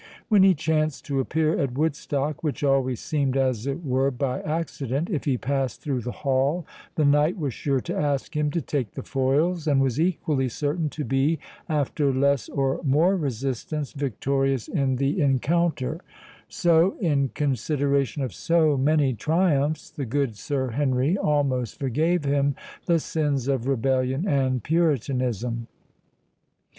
When he chanced to appear at Woodstock, which always seemed as it were by accident—if he passed through the hall, the knight was sure to ask him to take the foils, and was equally certain to be, after less or more resistance, victorious in the encounter; so, in consideration of so many triumphs, the good Sir Henry almost forgave him the sins of rebellion and puritanism.